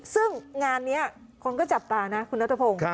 ซึ่งงานนี้คนก็จับตานะคุณนัทพงศ์